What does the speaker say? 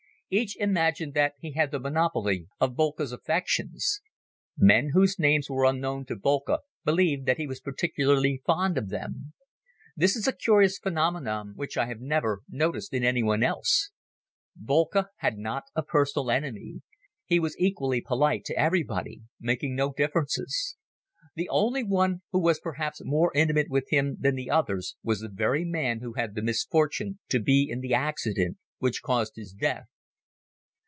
Each imagined that he had the monopoly of Boelcke's affections. Men whose names were unknown to Boelcke believed that he was particularly fond of them. This is a curious phenomenon which I have never noticed in anyone else. Boelcke had not a personal enemy. He was equally polite to everybody, making no differences. The only one who was perhaps more intimate with him than the others was the very man who had the misfortune to be in the accident which caused his death.